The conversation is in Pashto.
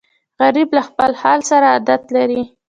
غریب له خپل حال سره عادت لري